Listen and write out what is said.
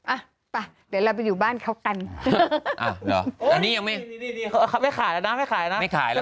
อ่ะไปเดี๋ยวเราไปอยู่บ้านเขากันอันนี้ยังไม่เขาไม่ขายแล้วนะไม่ขายนะไม่ขายแล้ว